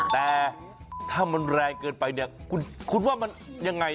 แต่ถ้ามันแรงเกินไปเนี่ยคุณว่ามันยังไง